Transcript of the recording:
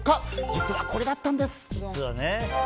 実は、これだったんです。